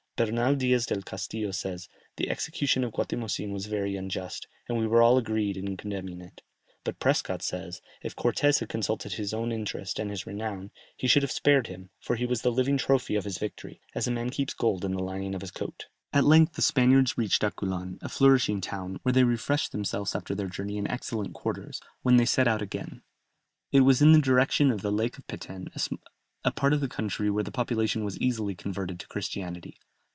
Bernal Diaz del Castillo says, "The execution of Guatimozin was very unjust, and we were all agreed in condemning it." But Prescott says, "If Cortès had consulted but his own interest and his renown, he should have spared him, for he was the living trophy of his victory, as a man keeps gold in the lining of his coat." At length the Spaniards reached Aculan, a flourishing town, where they refreshed themselves after their journey in excellent quarters; when they set out again, it was in the direction of the Lake of Peten, a part of the country where the population was easily converted to Christianity.